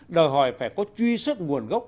đòi hỏi phải có truy xuất nguồn gốc